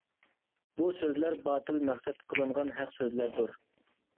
بۇ سۆزلەر باتىل مەقسەت قىلىنغان ھەق سۆزلەردۇر.